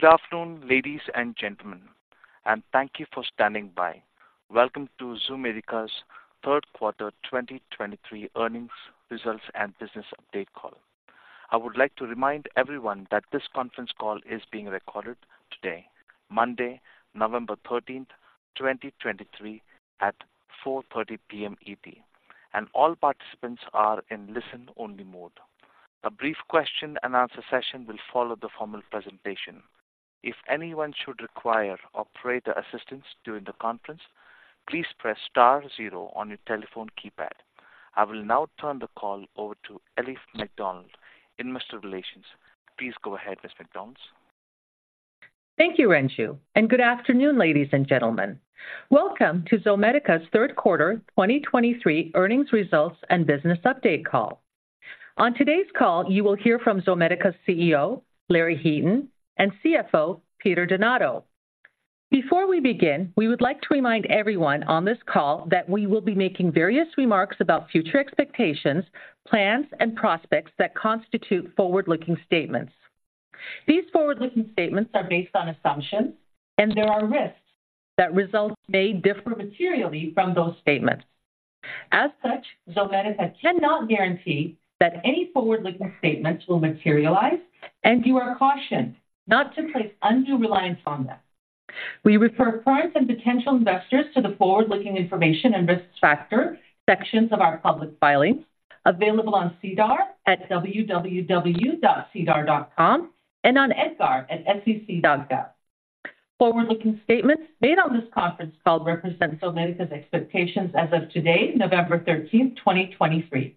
Good afternoon, ladies and gentlemen, and thank you for standing by. Welcome to Zomedica's third quarter 2023 earnings results and business update call. I would like to remind everyone that this conference call is being recorded today, Monday, November 13th, 2023, at 4:30 P.M. ET, and all participants are in listen-only mode. A brief question-and-answer session will follow the formal presentation. If anyone should require operator assistance during the conference, please press star zero on your telephone keypad. I will now turn the call over to Elif McDonald, investor relations. Please go ahead, Ms. McDonald. Thank you, Renju, and good afternoon, ladies and gentlemen. Welcome to Zomedica's third quarter 2023 earnings results and business update call. On today's call, you will hear from Zomedica's CEO, Larry Heaton, and CFO, Peter Donato. Before we begin, we would like to remind everyone on this call that we will be making various remarks about future expectations, plans, and prospects that constitute forward-looking statements. These forward-looking statements are based on assumptions, and there are risks that results may differ materially from those statements. As such, Zomedica cannot guarantee that any forward-looking statements will materialize, and you are cautioned not to place undue reliance on them. We refer current and potential investors to the forward-looking information and risk factor sections of our public filings available on SEDAR at www.sedar.com and on EDGAR at sec.gov. Forward-looking statements made on this conference call represent Zomedica's expectations as of today, November 13th, 2023.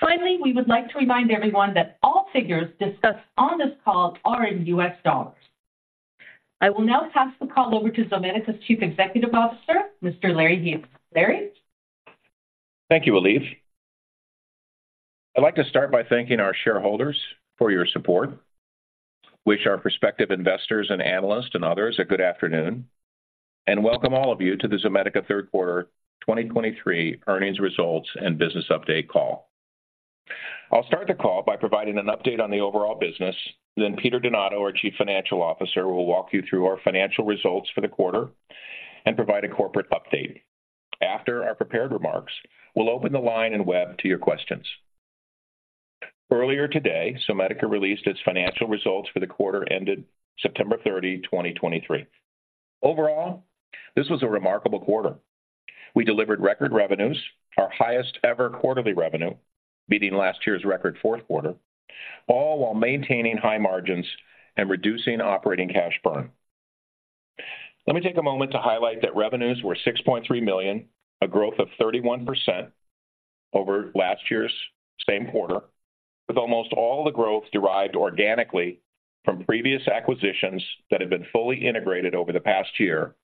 Finally, we would like to remind everyone that all figures discussed on this call are in US dollars. I will now pass the call over to Zomedica's Chief Executive Officer, Mr. Larry Heaton. Larry? Thank you, Elif. I'd like to start by thanking our shareholders for your support, wish our prospective investors and analysts and others a good afternoon, and welcome all of you to the Zomedica third quarter 2023 earnings results and business update call. I'll start the call by providing an update on the overall business. Then Peter Donato, our Chief Financial Officer, will walk you through our financial results for the quarter and provide a corporate update. After our prepared remarks, we'll open the line and web to your questions. Earlier today, Zomedica released its financial results for the quarter ended September 30th, 2023. Overall, this was a remarkable quarter. We delivered record revenues, our highest-ever quarterly revenue, beating last year's record fourth quarter, all while maintaining high margins and reducing operating cash burn. Let me take a moment to highlight that revenues were $6.3 million, a growth of 31% over last year's same quarter, with almost all the growth derived organically from previous acquisitions that have been fully integrated over the past year,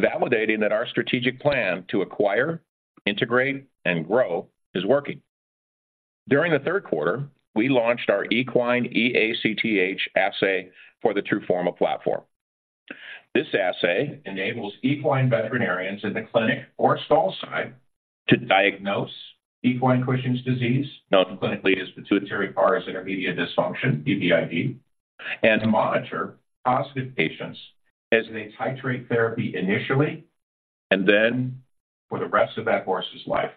validating that our strategic plan to acquire, integrate, and grow is working. During the third quarter, we launched our Equine ACTH Assay for the TRUFORMA platform. This assay enables equine veterinarians in the clinic or stall side to diagnose equine Cushing's disease, known clinically as pituitary pars intermedia dysfunction, PPID, and to monitor positive patients as they titrate therapy initially and then for the rest of that horse's life.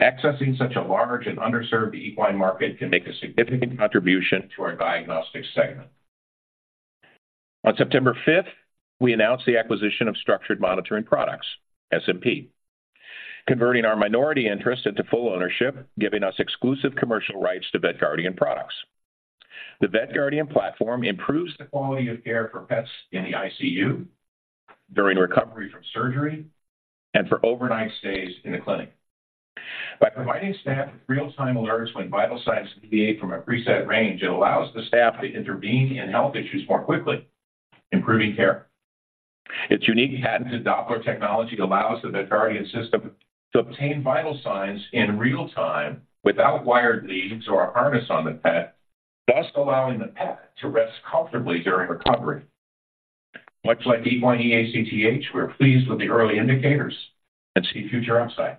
Accessing such a large and underserved equine market can make a significant contribution to our diagnostic segment. On September fifth, we announced the acquisition of Structured Monitoring Products, SMP, converting our minority interest into full ownership, giving us exclusive commercial rights to VetGuardian products. The VetGuardian platform improves the quality of care for pets in the ICU during recovery from surgery and for overnight stays in the clinic. By providing staff with real-time alerts when vital signs deviate from a preset range, it allows the staff to intervene in health issues more quickly, improving care. Its unique patented Doppler technology allows the VetGuardian system to obtain vital signs in real time without wired leads or a harness on the pet, thus allowing the pet to rest comfortably during recovery. Much like Equine ACTH, we're pleased with the early indicators and see future upside.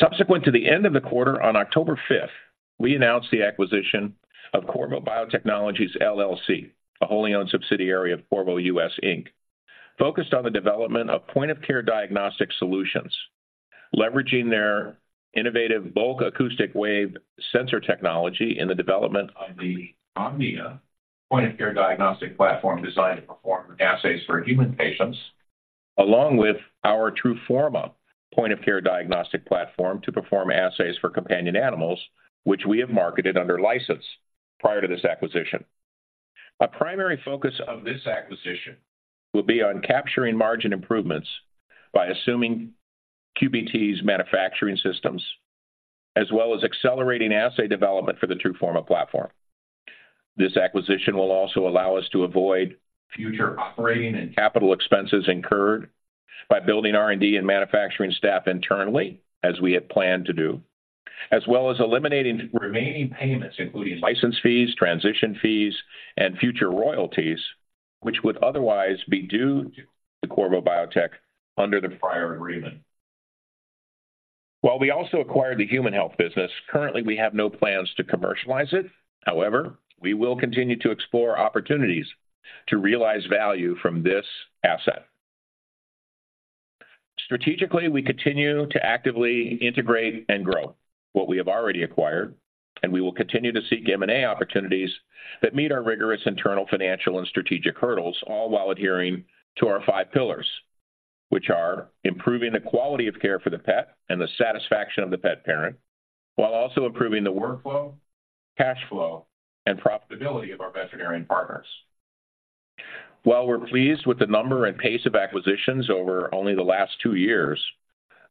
Subsequent to the end of the quarter on October fifth, we announced the acquisition of Qorvo Biotechnologies, LLC, a wholly-owned subsidiary of Qorvo US, Inc focused on the development of point-of-care diagnostic solutions, leveraging their innovative Bulk Acoustic Wave sensor technology in the development of the Omnia point-of-care diagnostic platform designed to perform assays for human patients, along with our TRUFORMA point-of-care diagnostic platform to perform assays for companion animals, which we have marketed under license prior to this acquisition. A primary focus of this acquisition will be on capturing margin improvements by assuming QBT's manufacturing systems, as well as accelerating assay development for the TRUFORMA platform. This acquisition will also allow us to avoid future operating and capital expenses incurred by building R&D and manufacturing staff internally, as we had planned to do, as well as eliminating remaining payments, including license fees, transition fees, and future royalties, which would otherwise be due to Qorvo Biotechnologies under the prior agreement. While we also acquired the human health business, currently we have no plans to commercialize it. However, we will continue to explore opportunities to realize value from this asset. Strategically, we continue to actively integrate and grow what we have already acquired, and we will continue to seek M&A opportunities that meet our rigorous internal financial and strategic hurdles, all while adhering to our five pillars, which are: improving the quality of care for the pet and the satisfaction of the pet parent, while also improving the workflow, cash flow, and profitability of our veterinarian partners. While we're pleased with the number and pace of acquisitions over only the last two years,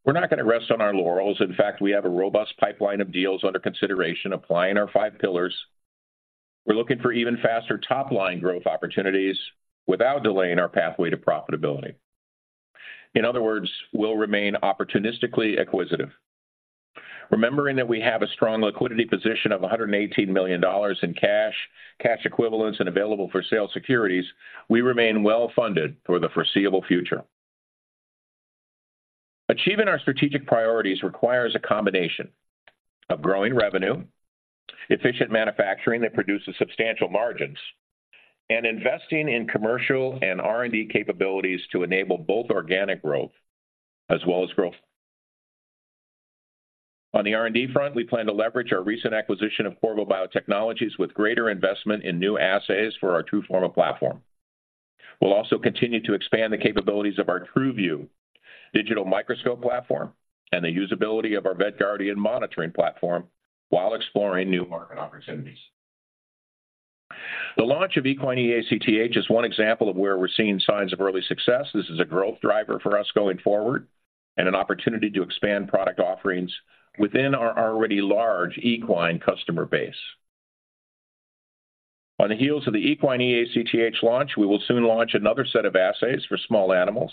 we're not going to rest on our laurels. In fact, we have a robust pipeline of deals under consideration, applying our five pillars. We're looking for even faster top-line growth opportunities without delaying our pathway to profitability. In other words, we'll remain opportunistically acquisitive. Remembering that we have a strong liquidity position of $118 million in cash, cash equivalents, and available-for-sale securities, we remain well-funded for the foreseeable future. Achieving our strategic priorities requires a combination of growing revenue, efficient manufacturing that produces substantial margins, and investing in commercial and R&D capabilities to enable both organic growth as well as growth. On the R&D front, we plan to leverage our recent acquisition of Qorvo Biotechnologies with greater investment in new assays for our TRUFORMA platform. We'll also continue to expand the capabilities of our TRUVIEW digital microscope platform and the usability of our VetGuardian monitoring platform while exploring new market opportunities. The launch of Equine ACTH is one example of where we're seeing signs of early success. This is a growth driver for us going forward and an opportunity to expand product offerings within our already large equine customer base. On the heels of the Equine ACTH launch, we will soon launch another set of assays for small animals.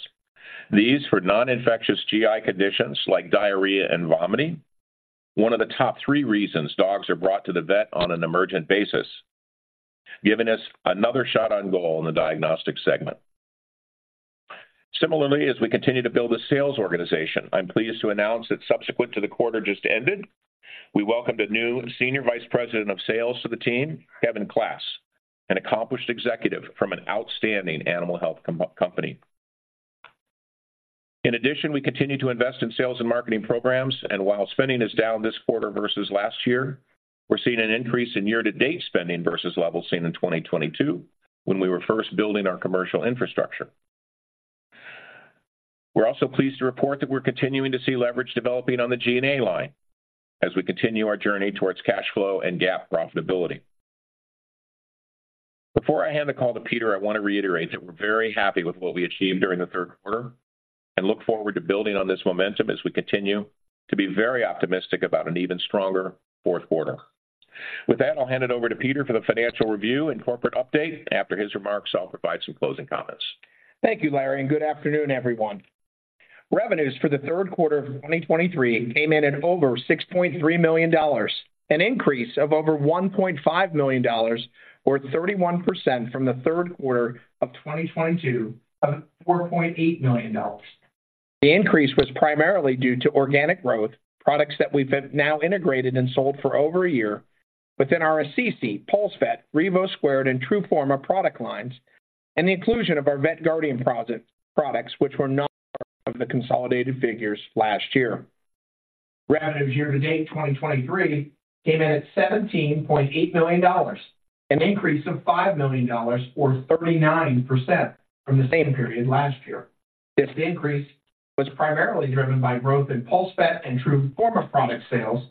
These for non-infectious GI conditions like diarrhea and vomiting. One of the top three reasons dogs are brought to the vet on an emergent basis, giving us another shot on goal in the diagnostic segment. Similarly, as we continue to build a sales organization, I'm pleased to announce that subsequent to the quarter just ended, we welcomed a new Senior Vice President of Sales to the team, Kevin Klass, an accomplished executive from an outstanding animal health company. In addition, we continue to invest in sales and marketing programs, and while spending is down this quarter versus last year, we're seeing an increase in year-to-date spending versus levels seen in 2022 when we were first building our commercial infrastructure. We're also pleased to report that we're continuing to see leverage developing on the G&A line as we continue our journey towards cash flow and GAAP profitability. Before I hand the call to Peter, I want to reiterate that we're very happy with what we achieved during the third quarter and look forward to building on this momentum as we continue to be very optimistic about an even stronger fourth quarter. With that, I'll hand it over to Peter for the financial review and corporate update. After his remarks, I'll provide some closing comments. Thank you, Larry, and good afternoon, everyone. Revenues for the third quarter of 2023 came in at over $6.3 million, an increase of over $1.5 million, or 31% from the third quarter of 2022 of $4.8 million. The increase was primarily due to organic growth, products that we've now integrated and sold for over a year within our CC, PulseVet, Revo Squared, and TRUFORMA product lines, and the inclusion of our VetGuardian products, products which were not part of the consolidated figures last year. Revenues year-to-date 2023 came in at $17.8 million, an increase of $5 million or 39% from the same period last year. This increase was primarily driven by growth in PulseVet and TRUFORMA product sales,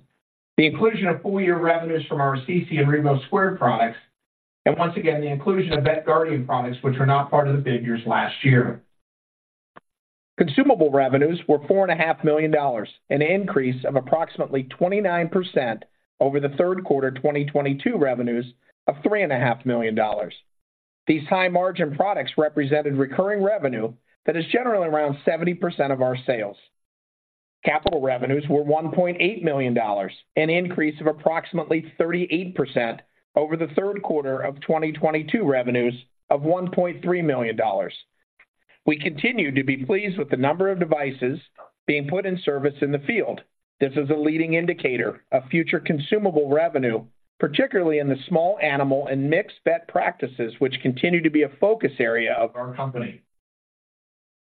the inclusion of full-year revenues from our CC and Revo Squared products, and once again, the inclusion of VetGuardian products, which were not part of the figures last year. Consumable revenues were $4.5 million, an increase of approximately 29% over the third quarter 2022 revenues of $3.5 million. These high-margin products represented recurring revenue that is generally around 70% of our sales. Capital revenues were $1.8 million, an increase of approximately 38% over the third quarter of 2022 revenues of $1.3 million. We continue to be pleased with the number of devices being put in service in the field. This is a leading indicator of future consumable revenue, particularly in the small animal and mixed vet practices, which continue to be a focus area of our company.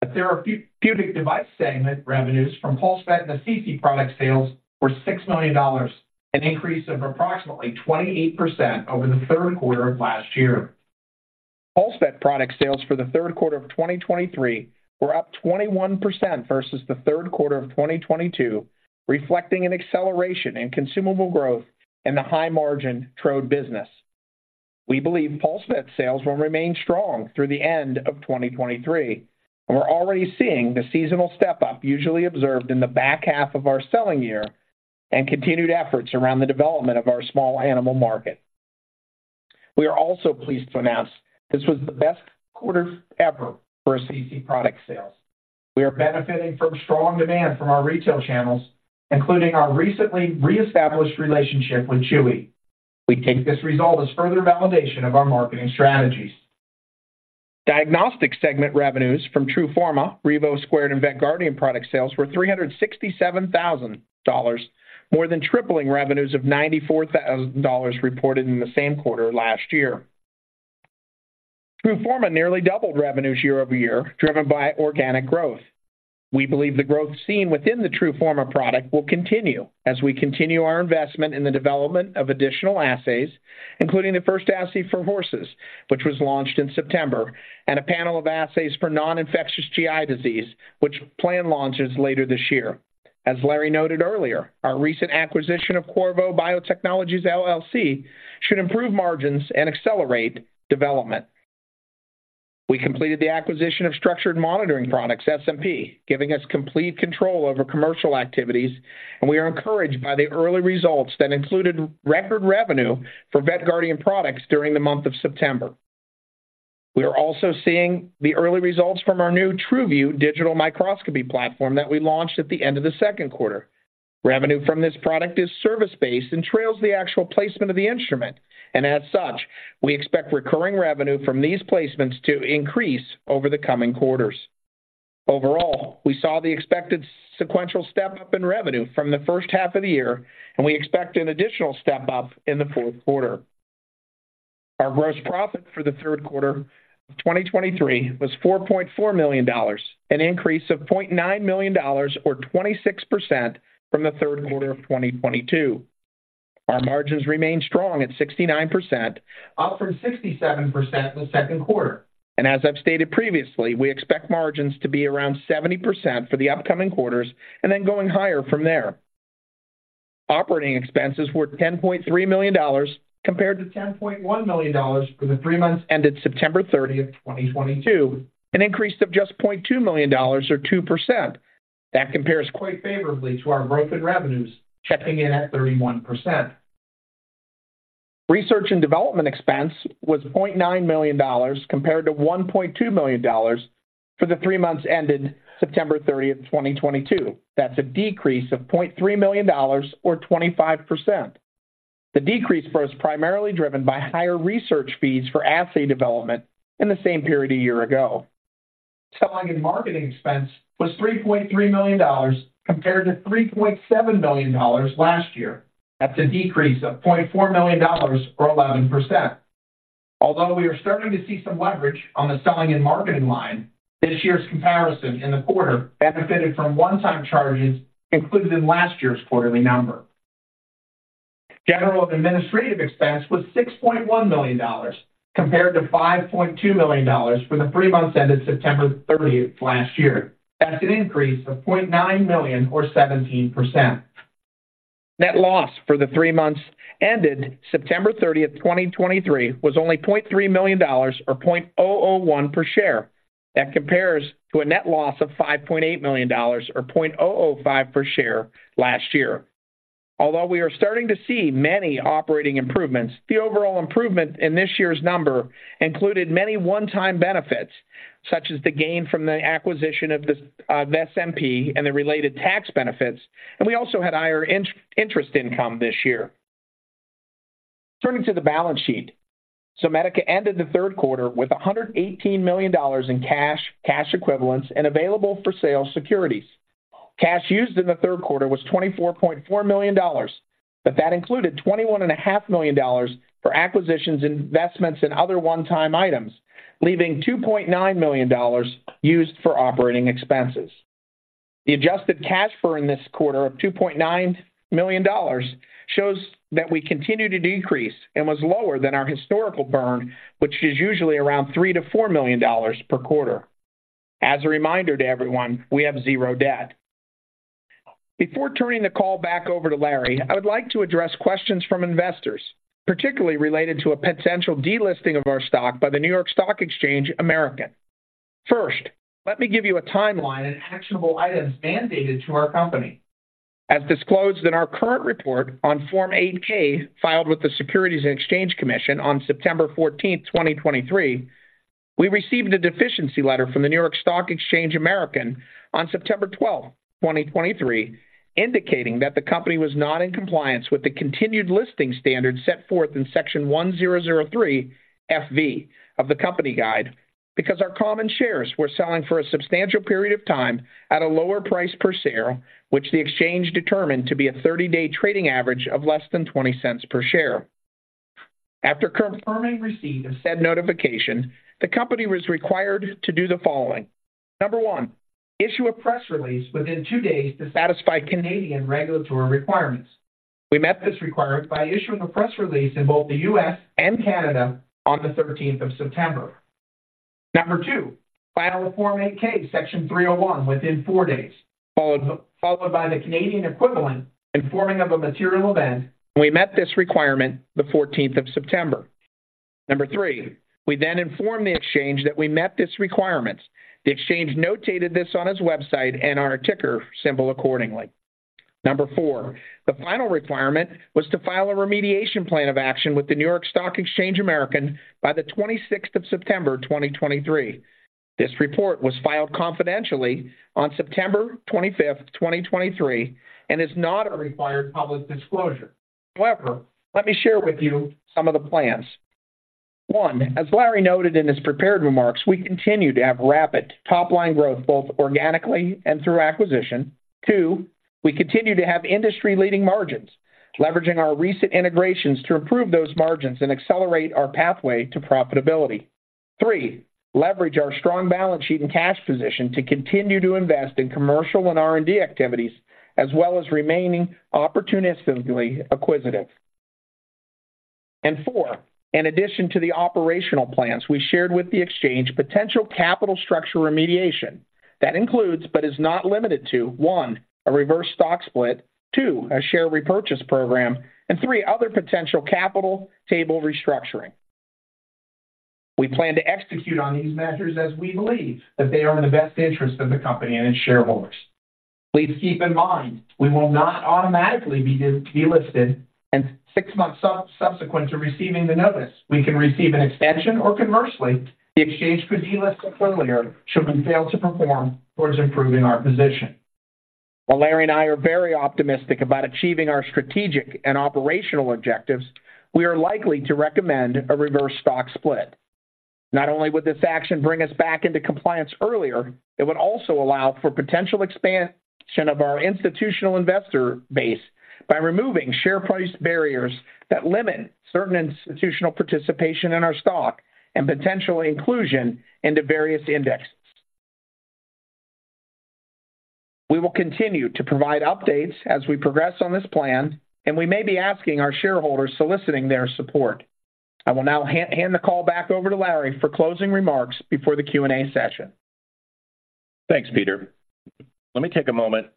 The therapeutic device segment revenues from PulseVet and the CC product sales were $6 million, an increase of approximately 28% over the third quarter of last year. PulseVet product sales for the third quarter of 2023 were up 21% versus the third quarter of 2022, reflecting an acceleration in consumable growth in the high-margin trade business. We believe PulseVet sales will remain strong through the end of 2023, and we're already seeing the seasonal step-up usually observed in the back half of our selling year and continued efforts around the development of our small animal market. We are also pleased to announce this was the best quarter ever for CC product sales. We are benefiting from strong demand from our retail channels, including our recently reestablished relationship with Chewy. We take this result as further validation of our marketing strategies... Diagnostic segment revenues from Truforma, REVO squared, and VetGuardian product sales were $367,000, more than tripling revenues of $94,000 reported in the same quarter last year. Truforma nearly doubled revenues year-over-year, driven by organic growth. We believe the growth seen within the Truforma product will continue as we continue our investment in the development of additional assays, including the first assay for horses, which was launched in September, and a panel of assays for non-infectious GI disease, which plan launches later this year. As Larry noted earlier, our recent acquisition of Qorvo Biotechnologies, LLC should improve margins and accelerate development. We completed the acquisition of Structured Monitoring Products, SMP, giving us complete control over commercial activities, and we are encouraged by the early results that included record revenue for VetGuardian products during the month of September. We are also seeing the early results from our new TRUVIEW digital microscopy platform that we launched at the end of the second quarter. Revenue from this product is service-based and trails the actual placement of the instrument. And as such, we expect recurring revenue from these placements to increase over the coming quarters. Overall, we saw the expected sequential step-up in revenue from the first half of the year, and we expect an additional step-up in the fourth quarter. Our gross profit for the third quarter of 2023 was $4.4 million, an increase of $0.9 million or 26% from the third quarter of 2022. Our margins remained strong at 69%, up from 67% in the second quarter. As I've stated previously, we expect margins to be around 70% for the upcoming quarters and then going higher from there. Operating expenses were $10.3 million, compared to $10.1 million for the three months ended September 30th, 2022, an increase of just $0.2 million or 2%. That compares quite favorably to our growth in revenues, checking in at 31%. Research and development expense was $0.9 million, compared to $1.2 million for the three months ended September 30th, 2022. That's a decrease of $0.3 million or 25%. The decrease was primarily driven by higher research fees for assay development in the same period a year ago. Selling and marketing expense was $3.3 million, compared to $3.7 million last year. That's a decrease of $0.4 million, or 11%. Although we are starting to see some leverage on the selling and marketing line, this year's comparison in the quarter benefited from one-time charges included in last year's quarterly number. General and administrative expense was $6.1 million, compared to $5.2 million for the three months ended September 30 last year. That's an increase of $0.9 million or 17%. Net loss for the three months ended September 30th, 2023, was only $0.3 million or 0.001 per share. That compares to a net loss of $5.8 million, or 0.005 per share last year. Although we are starting to see many operating improvements, the overall improvement in this year's number included many one-time benefits, such as the gain from the acquisition of the SMP and the related tax benefits, and we also had higher in-interest income this year. Turning to the balance sheet. Zomedica ended the third quarter with $118 million in cash, cash equivalents, and available-for-sale securities. Cash used in the third quarter was $24.4 million, but that included $21.5 million for acquisitions, investments, and other one-time items, leaving $2.9 million used for operating expenses. The adjusted cash burn in this quarter of $2.9 million shows that we continue to decrease and was lower than our historical burn, which is usually around $3-$4 million per quarter. As a reminder to everyone, we have zero debt. Before turning the call back over to Larry, I would like to address questions from investors, particularly related to a potential delisting of our stock by NYSE American. First, let me give you a timeline and actionable items mandated to our company. As disclosed in our current report on Form 8-K, filed with the Securities and Exchange Commission on September 14th, 2023, we received a deficiency letter from the NYSE American on September 12th, 2023, indicating that the company was not in compliance with the continued listing standards set forth in Section 1003(f)(v) of the company guide, because our common shares were selling for a substantial period of time at a lower price per share, which the exchange determined to be a 30-day trading average of less than $0.20 per share. After confirming receipt of said notification, the company was required to do the following: one, issue a press release within two days to satisfy Canadian regulatory requirements. We met this requirement by issuing a press release in both the U.S. and Canada on September 13th. Number two, file a Form 8-K Section 301 within four days, followed by the Canadian equivalent, informing of a material event. We met this requirement the 14th of September. Number three, we then informed the exchange that we met this requirement. The exchange notated this on its website and our ticker symbol accordingly. Number four, the final requirement was to file a remediation plan of action with the NYSE American by the 26th of September 2023. This report was filed confidentially on September 25th, 2023, and is not a required public disclosure.... However, let me share with you some of the plans. One, as Larry noted in his prepared remarks, we continue to have rapid top-line growth, both organically and through acquisition. Two, we continue to have industry-leading margins, leveraging our recent integrations to improve those margins and accelerate our pathway to profitability. Three, leverage our strong balance sheet and cash position to continue to invest in commercial and R&D activities, as well as remaining opportunistically acquisitive. Four, in addition to the operational plans we shared with the exchange, potential capital structure remediation. That includes, but is not limited to: One, a reverse stock split. Two, a share repurchase program. And three, other potential capital table restructuring. We plan to execute on these measures as we believe that they are in the best interest of the company and its shareholders. Please keep in mind, we will not automatically be delisted, and six months subsequent to receiving the notice, we can receive an extension, or conversely, the exchange could delist us earlier should we fail to perform towards improving our position. While Larry and I are very optimistic about achieving our strategic and operational objectives, we are likely to recommend a reverse stock split. Not only would this action bring us back into compliance earlier, it would also allow for potential expansion of our institutional investor base by removing share price barriers that limit certain institutional participation in our stock and potential inclusion into various indexes. We will continue to provide updates as we progress on this plan, and we may be asking our shareholders soliciting their support. I will now hand the call back over to Larry for closing remarks before the Q&A session. Thanks, Peter. Let me take a moment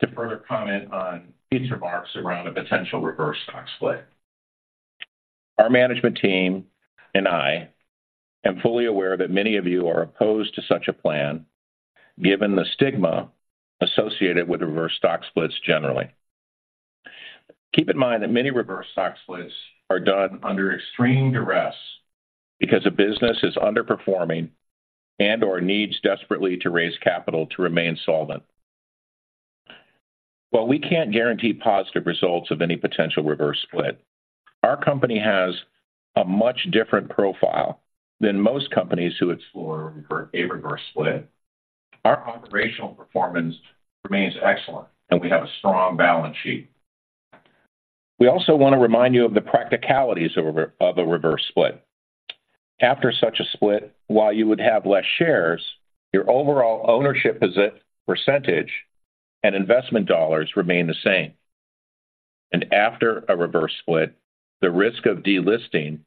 to further comment on Peter's remarks around a potential reverse stock split. Our management team and I am fully aware that many of you are opposed to such a plan, given the stigma associated with reverse stock splits generally. Keep in mind that many reverse stock splits are done under extreme duress because a business is underperforming and/or needs desperately to raise capital to remain solvent. While we can't guarantee positive results of any potential reverse split, our company has a much different profile than most companies who explore a reverse split. Our operational performance remains excellent, and we have a strong balance sheet. We also want to remind you of the practicalities of a reverse split. After such a split, while you would have less shares, your overall ownership percentage and investment dollars remain the same. And after a reverse split, the risk of delisting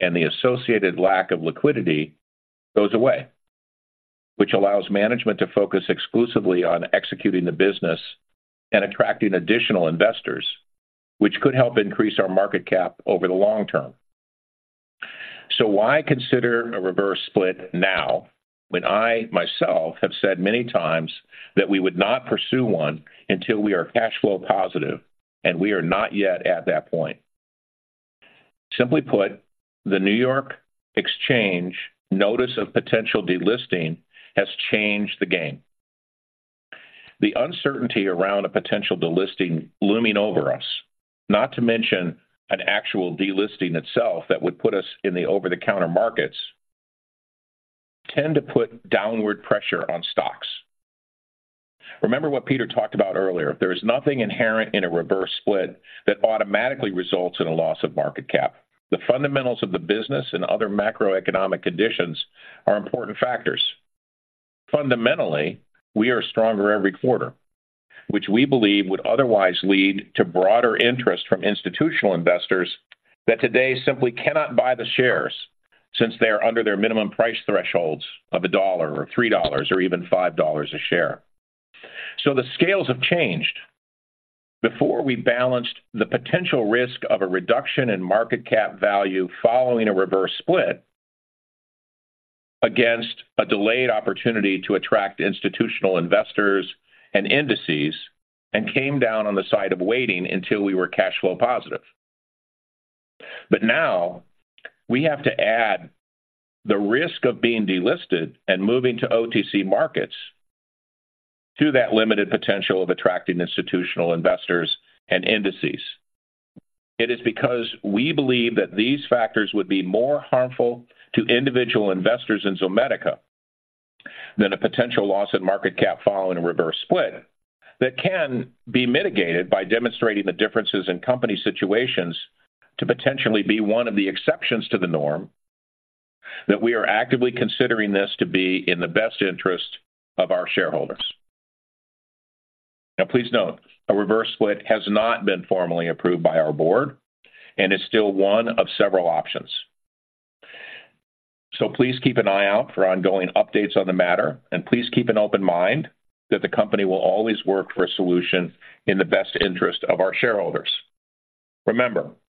and the associated lack of liquidity goes away, which allows management to focus exclusively on executing the business and attracting additional investors, which could help increase our market cap over the long term. So why consider a reverse split now, when I myself have said many times that we would not pursue one until we are cash flow positive, and we are not yet at that point? Simply put, the NYSE American notice of potential delisting has changed the game. The uncertainty around a potential delisting looming over us, not to mention an actual delisting itself that would put us in the over-the-counter markets, tend to put downward pressure on stocks. Remember what Peter talked about earlier. There is nothing inherent in a reverse split that automatically results in a loss of market cap. The fundamentals of the business and other macroeconomic conditions are important factors. Fundamentally, we are stronger every quarter, which we believe would otherwise lead to broader interest from institutional investors that today simply cannot buy the shares since they are under their minimum price thresholds of $1 or $3 or even $5 a share. So the scales have changed. Before, we balanced the potential risk of a reduction in market cap value following a reverse split against a delayed opportunity to attract institutional investors and indices, and came down on the side of waiting until we were cash flow positive. But now, we have to add the risk of being delisted and moving to OTC markets to that limited potential of attracting institutional investors and indices. It is because we believe that these factors would be more harmful to individual investors in Zomedica than a potential loss in market cap following a reverse split that can be mitigated by demonstrating the differences in company situations to potentially be one of the exceptions to the norm, that we are actively considering this to be in the best interest of our shareholders. Now, please note, a reverse split has not been formally approved by our board and is still one of several options. So please keep an eye out for ongoing updates on the matter, and please keep an open mind that the company will always work for a solution in the best interest of our shareholders.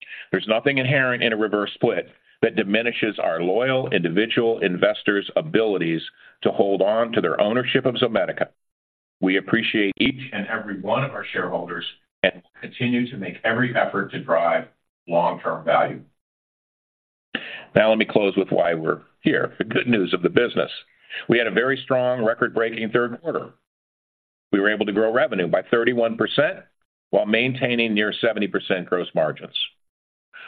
Remember, there's nothing inherent in a reverse split that diminishes our loyal individual investors' abilities to hold on to their ownership of Zomedica. We appreciate each and every one of our shareholders and continue to make every effort to drive long-term value.... Now let me close with why we're here. The good news of the business. We had a very strong record-breaking third quarter. We were able to grow revenue by 31% while maintaining near 70% gross margins.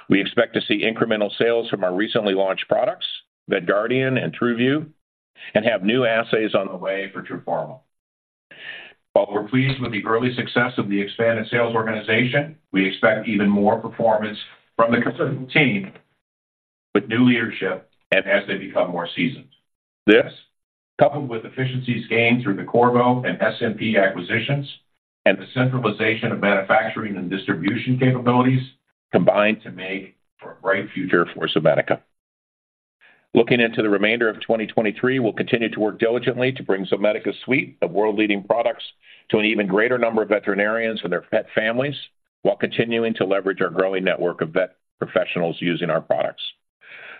We expect to see incremental sales from our recently launched products, VetGuardian and TRUVIEW, and have new assays on the way for TRUFORMA. While we're pleased with the early success of the expanded sales organization, we expect even more performance from the consistent team with new leadership and as they become more seasoned. This, coupled with efficiencies gained through the Corvo and SMP acquisitions and the centralization of manufacturing and distribution capabilities, combined to make for a bright future for Zomedica. Looking into the remainder of 2023, we'll continue to work diligently to bring Zomedica's suite of world-leading products to an even greater number of veterinarians and their pet families, while continuing to leverage our growing network of vet professionals using our products.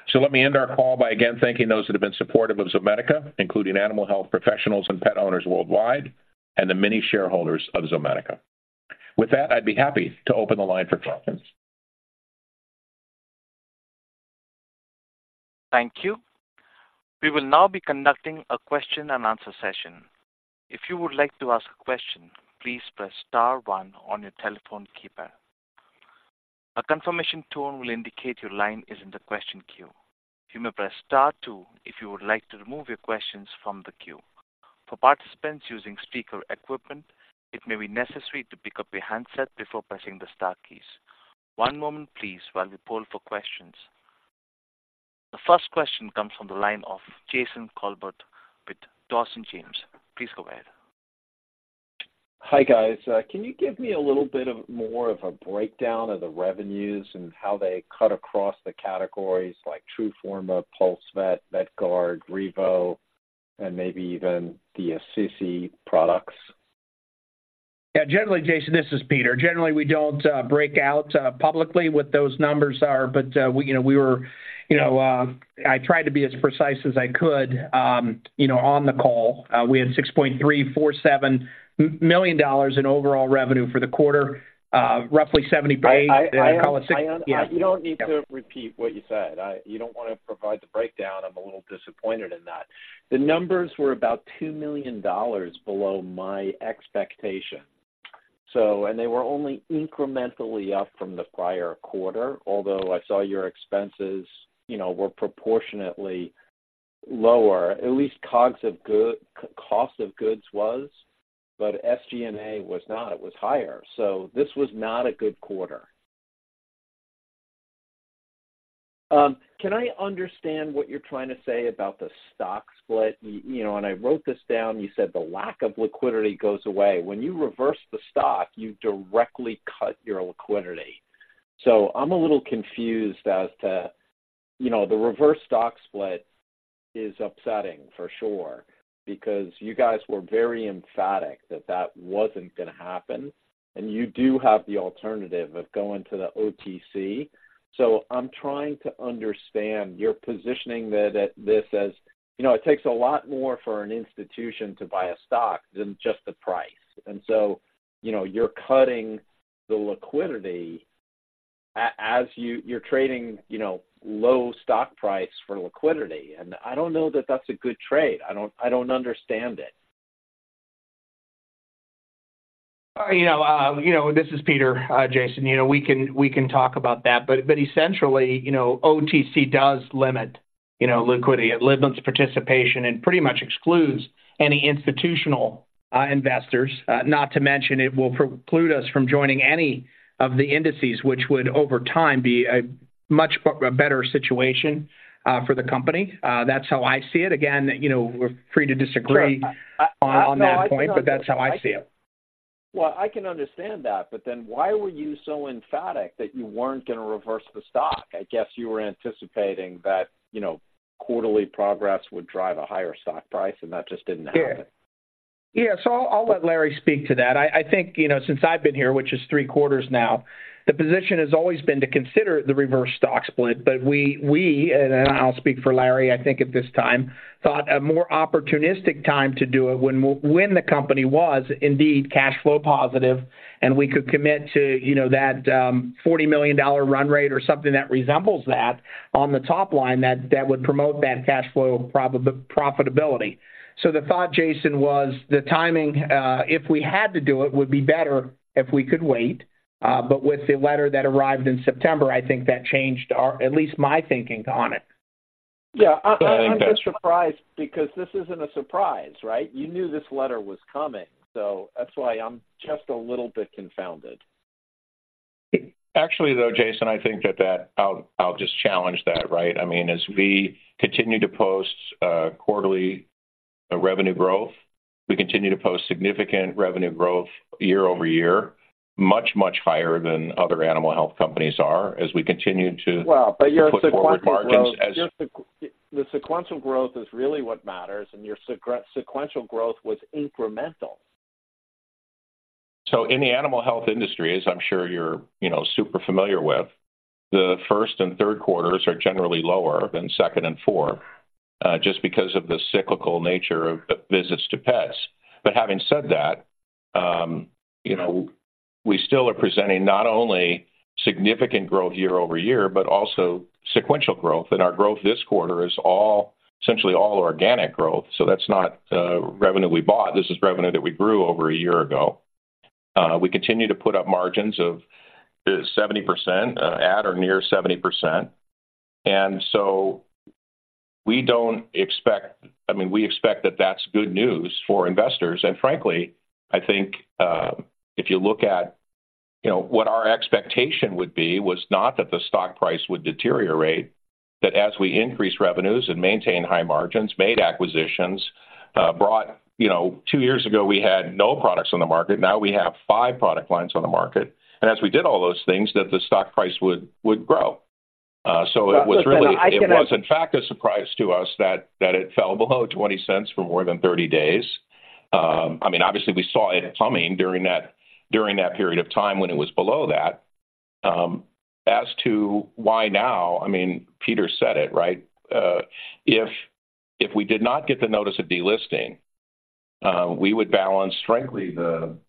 So let me end our call by again thanking those that have been supportive of Zomedica, including animal health professionals and pet owners worldwide, and the many shareholders of Zomedica. With that, I'd be happy to open the line for questions. Thank you. We will now be conducting a question and answer session. If you would like to ask a question, please press star one on your telephone keypad. A confirmation tone will indicate your line is in the question queue. You may press star two if you would like to remove your questions from the queue. For participants using speaker equipment, it may be necessary to pick up your handset before pressing the star keys. One moment, please, while we poll for questions. The first question comes from the line of Jason Kolbert with Dawson James. Please go ahead. Hi, guys. Can you give me a little bit of more of a breakdown of the revenues and how they cut across the categories like TRUFORMA, PulseVet, VetGuardian, Revo, and maybe even the Assisi products? Yeah, generally, Jason, this is Peter. Generally, we don't break out publicly what those numbers are, but, we, you know, we were... You know, I tried to be as precise as I could, you know, on the call. We had $6.347 million in overall revenue for the quarter, roughly 70 base- I, I, I- Yeah. You don't need to repeat what you said. You don't wanna provide the breakdown. I'm a little disappointed in that. The numbers were about $2 million below my expectation. So, and they were only incrementally up from the prior quarter, although I saw your expenses, you know, were proportionately lower, at least COGS, cost of goods was, but SG&A was not. It was higher. So this was not a good quarter. Can I understand what you're trying to say about the stock split? You know, and I wrote this down. You said the lack of liquidity goes away. When you reverse the stock, you directly cut your liquidity. So I'm a little confused as to, you know, the reverse stock split is upsetting for sure, because you guys were very emphatic that that wasn't gonna happen, and you do have the alternative of going to the OTC. So I'm trying to understand your positioning that at this as, you know, it takes a lot more for an institution to buy a stock than just the price. And so, you know, you're cutting the liquidity as you're trading, you know, low stock price for liquidity. And I don't know that that's a good trade. I don't, I don't understand it. You know, you know, this is Peter, Jason. You know, we can talk about that, but essentially, you know, OTC does limit, you know, liquidity. It limits participation and pretty much excludes any institutional investors. Not to mention, it will preclude us from joining any of the indices, which would, over time, be a much better situation for the company. That's how I see it. Again, you know, we're free to disagree- Sure. on that point, but that's how I see it. Well, I can understand that, but then why were you so emphatic that you weren't gonna reverse the stock? I guess you were anticipating that, you know, quarterly progress would drive a higher stock price, and that just didn't happen. Yeah. Yeah, so I'll, I'll let Larry speak to that. I, I think, you know, since I've been here, which is three quarters now, the position has always been to consider the reverse stock split. But we, we, and, and I'll speak for Larry, I think at this time, thought a more opportunistic time to do it when when the company was indeed cash flow positive and we could commit to, you know, that, $40 million run rate or something that resembles that on the top line, that, that would promote that cash flow profitability. So the thought, Jason, was the timing, if we had to do it, would be better if we could wait. But with the letter that arrived in September, I think that changed our... at least my thinking on it. Yeah, I, I'm just surprised because this isn't a surprise, right? You knew this letter was coming, so that's why I'm just a little bit confounded. Actually, though, Jason, I think that... I'll just challenge that, right? I mean, as we continue to post quarterly revenue growth, we continue to post significant revenue growth year-over-year, much, much higher than other animal health companies are, as we continue to- Well, but your sequential growth- Put forward margins as- The sequential growth is really what matters, and your sequential growth was incremental. So in the animal health industry, as I'm sure you're, you know, super familiar with, the first and third quarters are generally lower than second and fourth, just because of the cyclical nature of, of visits to pets. But having said that, you know, we still are presenting not only significant growth year-over-year, but also sequential growth. And our growth this quarter is all, essentially all organic growth, so that's not revenue we bought. This is revenue that we grew over a year ago. We continue to put up margins of 70%, at or near 70%. And so we don't expect- I mean, we expect that that's good news for investors. And frankly, I think, if you look at, you know, what our expectation would be, was not that the stock price would deteriorate, that as we increased revenues and maintained high margins, made acquisitions, you know, two years ago, we had no products on the market, now we have five product lines on the market. And as we did all those things, that the stock price would grow. So it was really- I can- It was, in fact, a surprise to us that it fell below $0.20 for more than 30 days. I mean, obviously, we saw it plummeting during that period of time when it was below that. As to why now, I mean, Peter said it, right? If we did not get the notice of delisting, we would balance, frankly, the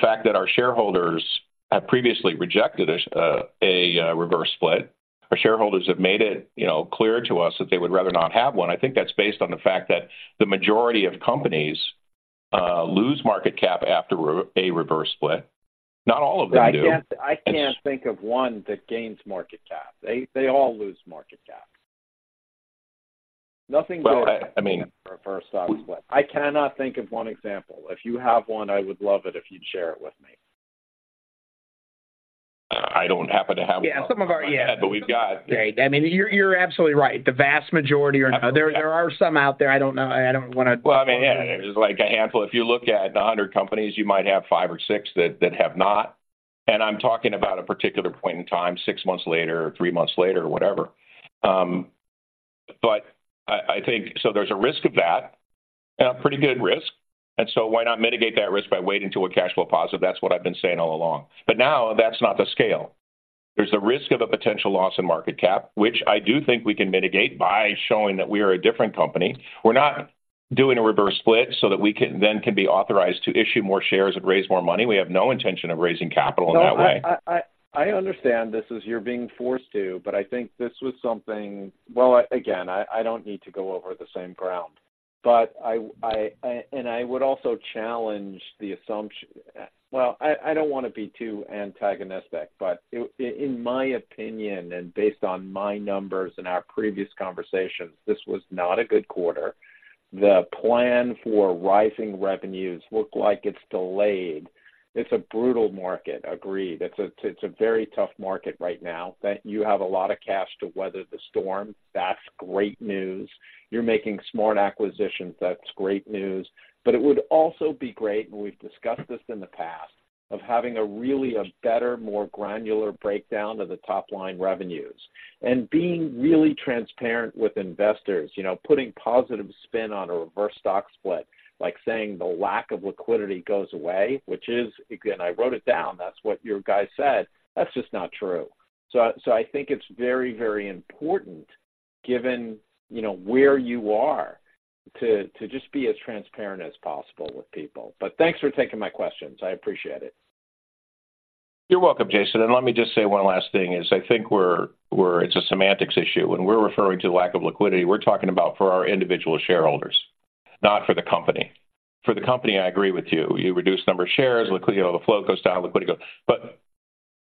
fact that our shareholders have previously rejected a reverse split. Our shareholders have made it, you know, clear to us that they would rather not have one. I think that's based on the fact that the majority of companies lose market cap after a reverse split. Not all of them do. I can't think of one that gains market cap. They all lose market cap. Nothing- Well, I mean- A reverse stock split. I cannot think of one example. If you have one, I would love it if you'd share it with me. I don't happen to have one- Yeah, some of our... Yeah. But we've got- Great. I mean, you're absolutely right. The vast majority are not. There are some out there. I don't know. I don't want to- Well, I mean, yeah, there's, like, a handful. If you look at the 100 companies, you might have five or six that, that have not, and I'm talking about a particular point in time, 6 months later, or three months later, or whatever. But I, I think so there's a risk of that, and a pretty good risk, and so why not mitigate that risk by waiting to a cash flow positive? That's what I've been saying all along. But now that's not the scale. There's a risk of a potential loss in market cap, which I do think we can mitigate by showing that we are a different company. We're not doing a reverse split so that we can then can be authorized to issue more shares and raise more money. We have no intention of raising capital in that way. No, I understand this is you're being forced to, but I think this was something... Well, again, I don't need to go over the same ground, but I would also challenge the assumpt-- Well, I don't want to be too antagonistic, but in my opinion, and based on my numbers and our previous conversations, this was not a good quarter. The plan for rising revenues looked like it's delayed. It's a brutal market. Agreed. It's a very tough market right now. That you have a lot of cash to weather the storm, that's great news. You're making smart acquisitions, that's great news. But it would also be great, and we've discussed this in the past, of having a really, a better, more granular breakdown of the top-line revenues and being really transparent with investors. You know, putting positive spin on a reverse stock split, like saying the lack of liquidity goes away, which is, again, I wrote it down, that's what your guy said, that's just not true. So, so I think it's very, very important, given, you know, where you are, to, to just be as transparent as possible with people. But thanks for taking my questions. I appreciate it. You're welcome, Jason. Let me just say one last thing is I think we're—it's a semantics issue. When we're referring to the lack of liquidity, we're talking about for our individual shareholders, not for the company. For the company, I agree with you. You reduce the number of shares, you know, the flow goes down, liquidity goes... But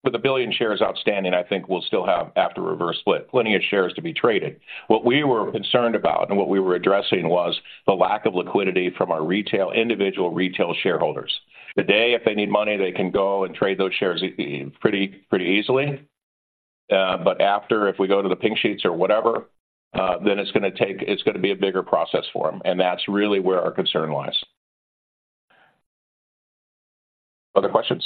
with 1 billion shares outstanding, I think we'll still have, after a reverse split, plenty of shares to be traded. What we were concerned about and what we were addressing was the lack of liquidity from our retail, individual retail shareholders. Today, if they need money, they can go and trade those shares pretty, pretty easily, but after, if we go to the pink sheets or whatever, then it's gonna be a bigger process for them, and that's really where our concern lies. Other questions?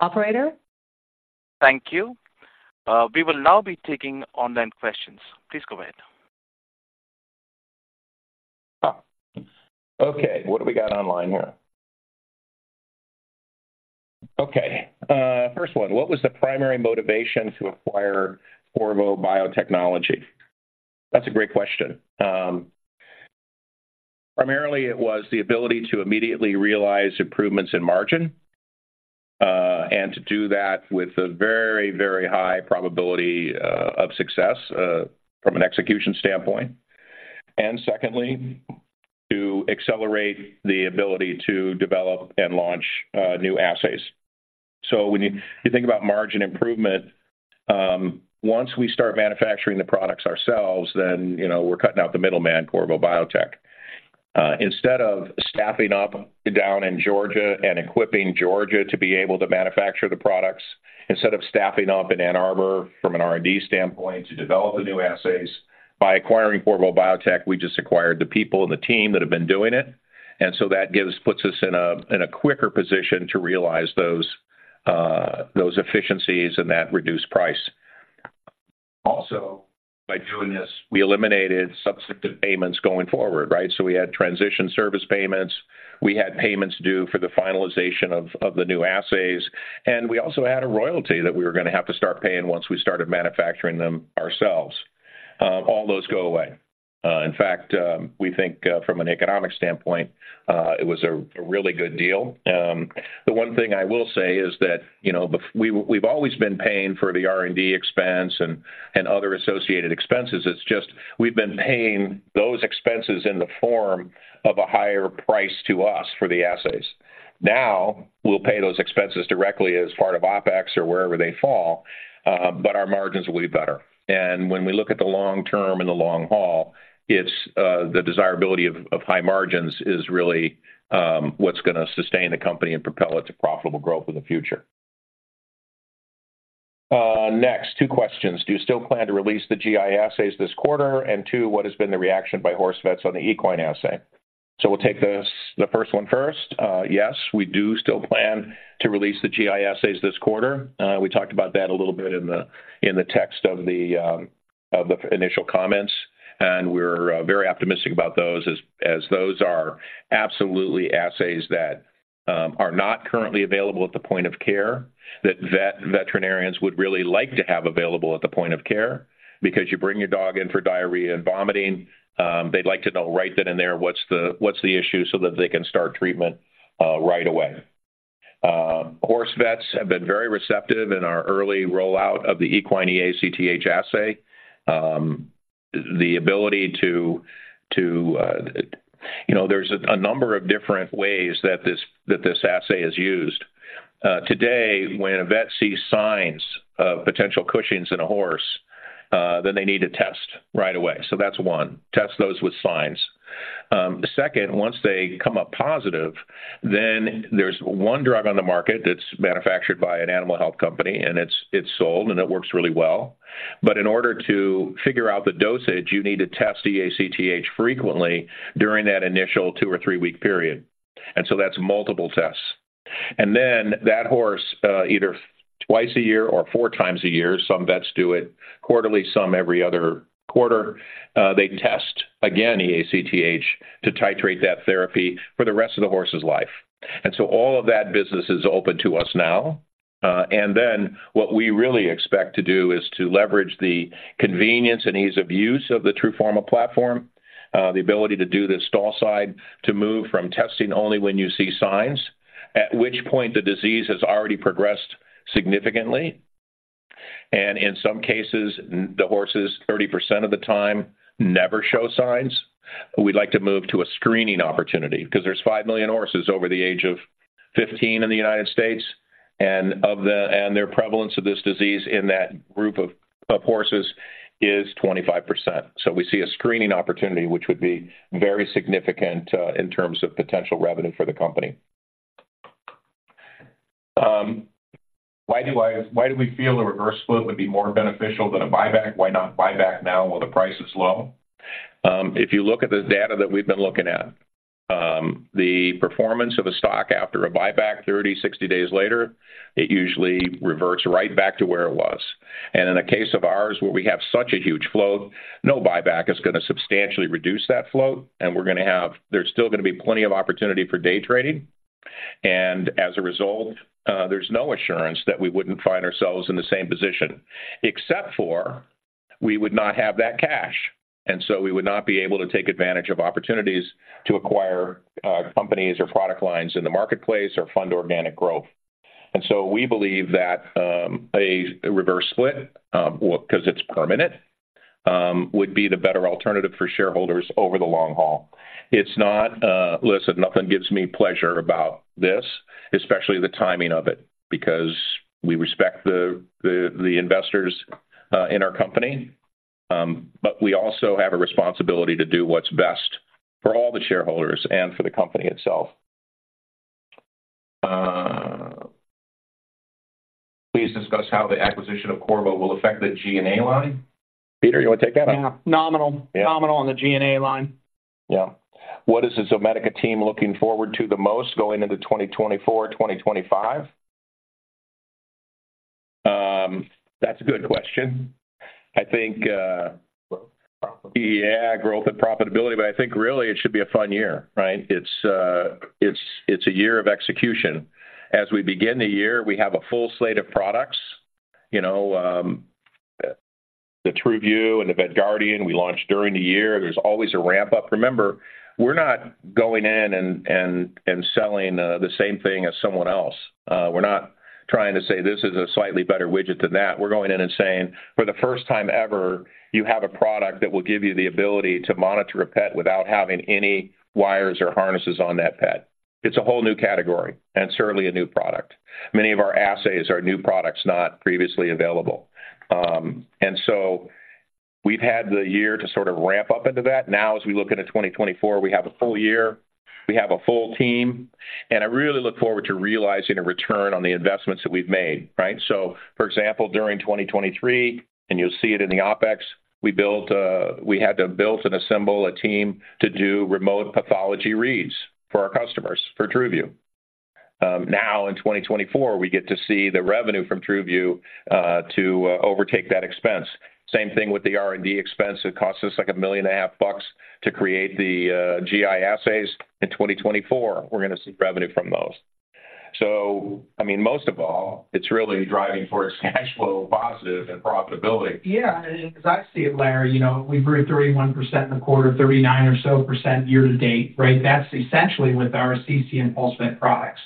Operator? Thank you. We will now be taking online questions. Please go ahead. Ah! Okay, what do we got online here? Okay, first one: "What was the primary motivation to acquire Qorvo Biotechnologies?" That's a great question. Primarily, it was the ability to immediately realize improvements in margin, and to do that with a very, very high probability, of success, from an execution standpoint, and secondly, to accelerate the ability to develop and launch, new assays. So when you, you think about margin improvement, once we start manufacturing the products ourselves, then, you know, we're cutting out the middleman, Qorvo Biotechnologies. Instead of staffing up down in Georgia and equipping Georgia to be able to manufacture the products, instead of staffing up in Ann Arbor from an R&D standpoint to develop the new assays, by acquiring Corvo Biotech, we just acquired the people and the team that have been doing it, and so that puts us in a quicker position to realize those efficiencies and that reduced price. Also, by doing this, we eliminated substantive payments going forward, right? So we had transition service payments. We had payments due for the finalization of the new assays, and we also had a royalty that we were going to have to start paying once we started manufacturing them ourselves. All those go away. In fact, we think from an economic standpoint, it was a really good deal. The one thing I will say is that, you know, we, we've always been paying for the R&D expense and other associated expenses. It's just we've been paying those expenses in the form of a higher price to us for the assays. Now, we'll pay those expenses directly as part of OpEx or wherever they fall, but our margins will be better. And when we look at the long term and the long haul, it's the desirability of high margins is really what's going to sustain the company and propel it to profitable growth in the future. Next, two questions: Do you still plan to release the GI assays this quarter? And two, what has been the reaction by horse vets on the equine assay? So we'll take this, the first one first. Yes, we do still plan to release the GI assays this quarter. We talked about that a little bit in the text of the initial comments, and we're very optimistic about those, as those are absolutely assays that are not currently available at the point of care, that veterinarians would really like to have available at the point of care. Because you bring your dog in for diarrhea and vomiting, they'd like to know right then and there, what's the issue so that they can start treatment right away. Horse vets have been very receptive in our early rollout of the Equine ACTH Assay. The ability to. You know, there's a number of different ways that this assay is used. Today, when a vet sees signs of potential Cushing's in a horse, then they need to test right away. So that's one, test those with signs. Second, once they come up positive, then there's one drug on the market that's manufactured by an animal health company, and it's sold, and it works really well. But in order to figure out the dosage, you need to test the ACTH frequently during that initial two- or three-week period, and so that's multiple tests. And then, that horse, either twice a year or 4x a year, some vets do it quarterly, some every other quarter, they test again, ACTH, to titrate that therapy for the rest of the horse's life. And so all of that business is open to us now, and then what we really expect to do is to leverage the convenience and ease of use of the TRUFORMA platform, the ability to do this stall side, to move from testing only when you see signs, at which point the disease has already progressed significantly. And in some cases, the horses, 30% of the time, never show signs. We'd like to move to a screening opportunity because there's 5 million horses over the age of 15 in the United States, and their prevalence of this disease in that group of horses is 25%. So we see a screening opportunity, which would be very significant, in terms of potential revenue for the company. Why do we feel a reverse split would be more beneficial than a buyback? Why not buyback now while the price is low? If you look at the data that we've been looking at, the performance of a stock after a buyback, 30-60 days later, it usually reverts right back to where it was. In a case of ours, where we have such a huge float, no buyback is going to substantially reduce that float, and we're going to have... There's still going to be plenty of opportunity for day trading. As a result, there's no assurance that we wouldn't find ourselves in the same position, except for, we would not have that cash, and so we would not be able to take advantage of opportunities to acquire, companies or product lines in the marketplace or fund organic growth. And so we believe that a reverse split, well, because it's permanent, would be the better alternative for shareholders over the long haul. It's not, listen, nothing gives me pleasure about this, especially the timing of it, because we respect the investors in our company, but we also have a responsibility to do what's best for all the shareholders and for the company itself. Please discuss how the acquisition of Corvo will affect the G&A line. Peter, you want to take that? Yeah, nominal. Yeah. Nominal on the G&A line. Yeah. What is the Zomedica team looking forward to the most going into 2024-2025? That's a good question. I think, Growth and profitability. Yeah, growth and profitability, but I think really it should be a fun year, right? It's a year of execution. As we begin the year, we have a full slate of products. You know, the TRUVIEW and the VetGuardian we launched during the year. There's always a ramp-up. Remember, we're not going in and selling the same thing as someone else. We're not trying to say, "This is a slightly better widget than that." We're going in and saying: For the first time ever, you have a product that will give you the ability to monitor a pet without having any wires or harnesses on that pet. It's a whole new category and certainly a new product. Many of our assays are new products not previously available. And so we've had the year to sort of ramp up into that. Now, as we look into 2024, we have a full year, we have a full team, and I really look forward to realizing a return on the investments that we've made, right? So, for example, during 2023, and you'll see it in the OpEx, we built, we had to build and assemble a team to do remote pathology reads for our customers, for TRUVIEW. Now in 2024, we get to see the revenue from TRUVIEW to overtake that expense. Same thing with the R&D expense. It costs us, like, $1.5 million to create the GI assays. In 2024, we're going to see revenue from those. So, I mean, most of all, it's really driving towards cash flow positive and profitability. Yeah, and as I see it, Larry, you know, we grew 31% in the quarter, 39% or so year to date, right? That's essentially with our CC and PulseVet products,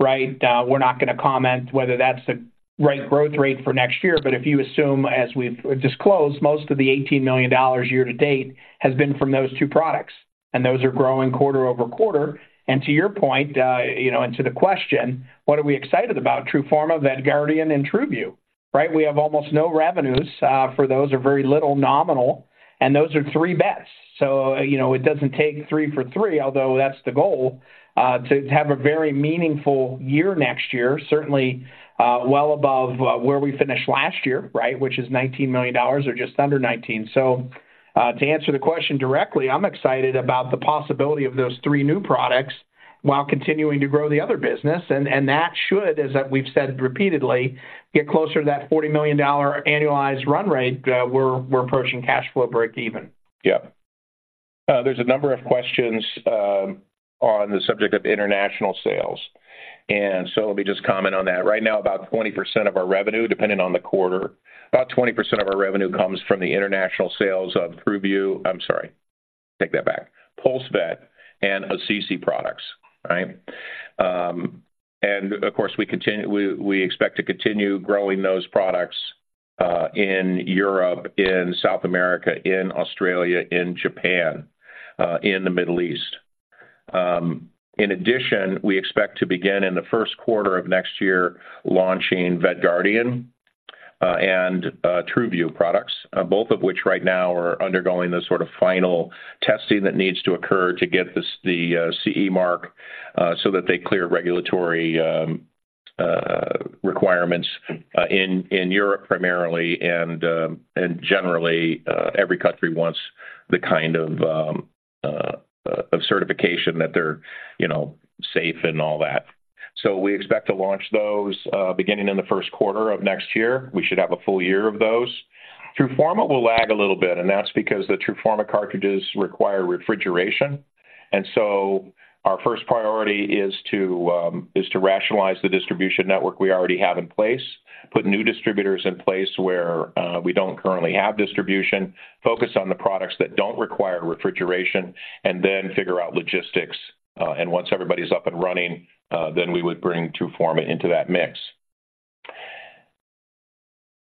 right? We're not going to comment whether that's the right growth rate for next year, but if you assume, as we've disclosed, most of the $18 million year to date has been from those two products, and those are growing quarter-over-quarter. And to your point, you know, and to the question, what are we excited about? TRUFORMA, VetGuardian, and TRUVIEW, right? We have almost no revenues for those or very little nominal, and those are three bets. So, you know, it doesn't take three for three, although that's the goal, to have a very meaningful year next year. Certainly, well above where we finished last year, right? Which is $19 million or just under $19 million. So, to answer the question directly, I'm excited about the possibility of those three new products while continuing to grow the other business, and that should, as we've said repeatedly, get closer to that $40 million annualized run rate. We're approaching cash flow break even. Yep. There's a number of questions on the subject of international sales, and so let me just comment on that. Right now, about 20% of our revenue, depending on the quarter, about 20% of our revenue comes from the international sales of PulseVet and CC products, right? And of course, we expect to continue growing those products in Europe, in South America, in Australia, in Japan, in the Middle East. In addition, we expect to begin in the first quarter of next year, launching VetGuardian and TRUVIEW products. Both of which right now are undergoing the sort of final testing that needs to occur to get the CE Mark, so that they clear regulatory requirements in Europe primarily, and generally, every country wants the kind of certification that they're, you know, safe and all that. So we expect to launch those beginning in the first quarter of next year. We should have a full year of those. TRUFORMA will lag a little bit, and that's because the TRUFORMA cartridges require refrigeration. So our first priority is to rationalize the distribution network we already have in place, put new distributors in place where we don't currently have distribution, focus on the products that don't require refrigeration, and then figure out logistics. And once everybody's up and running, then we would bring TRUFORMA into that mix.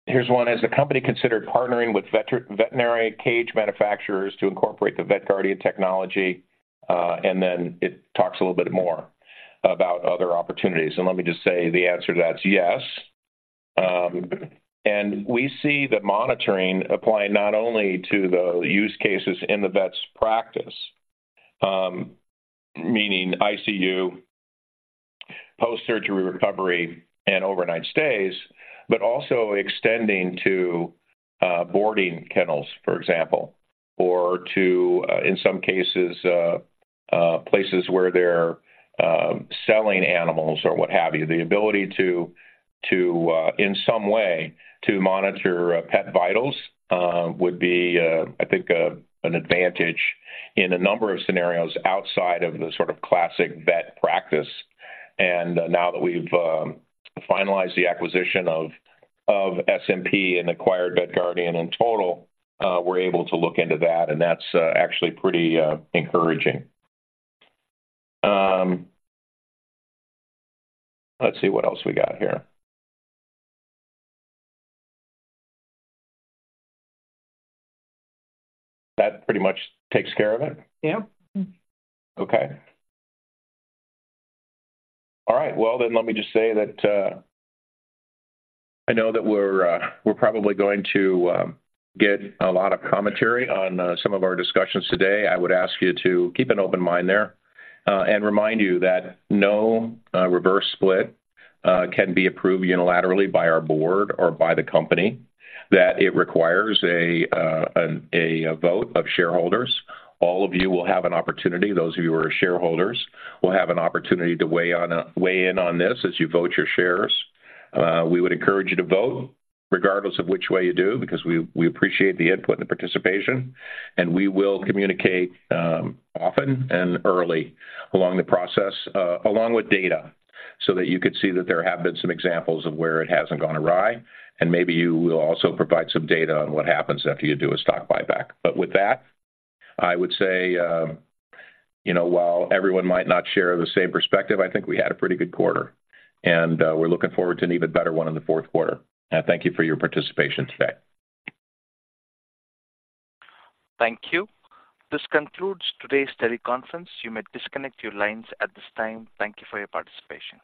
Here's one: Has the company considered partnering with veterinary cage manufacturers to incorporate the VetGuardian technology? And then it talks a little bit more about other opportunities. And let me just say the answer to that is yes. And we see the monitoring applying not only to the use cases in the vet's practice, meaning ICU, post-surgery recovery, and overnight stays, but also extending to boarding kennels, for example, or to, in some cases, places where they're selling animals or what have you. The ability to, in some way, to monitor pet vitals would be, I think, an advantage in a number of scenarios outside of the sort of classic vet practice. And now that we've finalized the acquisition of SMP and acquired VetGuardian in total, we're able to look into that, and that's actually pretty encouraging. Let's see what else we got here. That pretty much takes care of it? Yeah. Okay. All right, well, then, let me just say that I know that we're, we're probably going to get a lot of commentary on some of our discussions today. I would ask you to keep an open mind there and remind you that no reverse split can be approved unilaterally by our board or by the company, that it requires a vote of shareholders. All of you will have an opportunity, those of you who are shareholders, will have an opportunity to weigh in on this as you vote your shares. We would encourage you to vote regardless of which way you do, because we, we appreciate the input and the participation, and we will communicate, often and early along the process, along with data, so that you could see that there have been some examples of where it hasn't gone awry, and maybe you will also provide some data on what happens after you do a stock buyback. But with that, I would say, you know, while everyone might not share the same perspective, I think we had a pretty good quarter, and we're looking forward to an even better one in the fourth quarter. I thank you for your participation today. Thank you. This concludes today's teleconference. You may disconnect your lines at this time. Thank you for your participation.